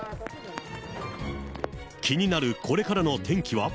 気になるこれからの天気は？